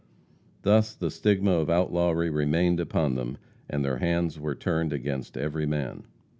Thus the stigma of outlawry remained upon them, and their hands were turned against every man.